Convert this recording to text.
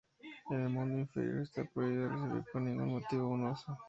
En el mundo inferior, está prohibido recibir por ningún motivo a un oso.